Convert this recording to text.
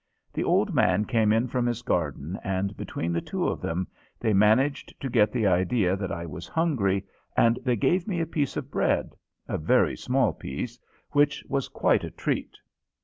The old man came in from his garden and between the two of them they managed to get the idea that I was hungry, and they gave me a piece of bread a very small piece which was quite a treat.